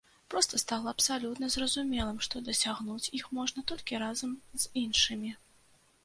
Проста стала абсалютна зразумелым, што дасягнуць іх можна толькі разам з іншымі.